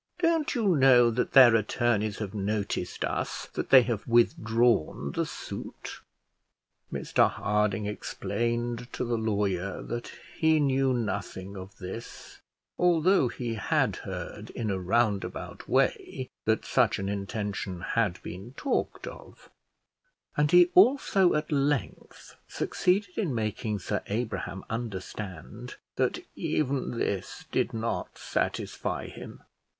"Don't you know that their attorneys have noticed us that they have withdrawn the suit?" Mr Harding explained to the lawyer that he knew nothing of this, although he had heard in a roundabout way that such an intention had been talked of; and he also at length succeeded in making Sir Abraham understand that even this did not satisfy him.